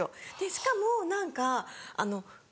しかも何かあの。